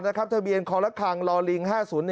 ทะเบียนคอละครังลอลิง๕๐๑